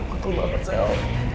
betul banget sel